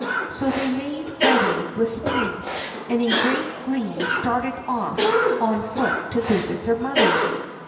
So they made ready with speed, and in great glee started off on foot to visit their mothers.